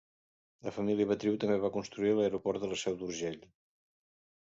La família Betriu també va construir l'aeroport de la Seu d'Urgell.